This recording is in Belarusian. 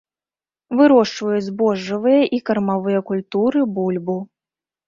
Вырошчваюць збожжавыя і кармавыя культуры, бульбу.